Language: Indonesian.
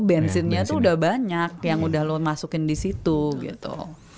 bensinnya tuh udah banyak yang udah lo masukin di situ gitu